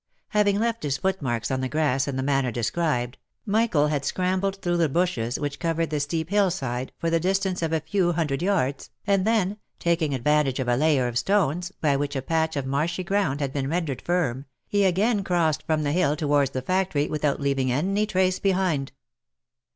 Having left his foot marks on the grass in the manner described, Michael had scrambled through the bushes which covered the steep hill side, for the distance of a few hundred yards, and then, taking advantage of a layer of stones, by which a patch of marshy ground had been rendered firm, he again crossed from the hill towards the factory, without leaving any trace behind.